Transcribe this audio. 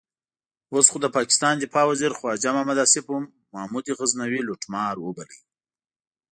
اوس خو د پاکستان دفاع وزیر خواجه محمد آصف هم محمود غزنوي لوټمار وباله.